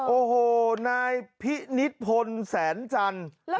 โอ้โหนายพินิษฐพลแสนจันทร์